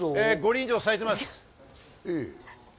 ５輪以上、咲いてます。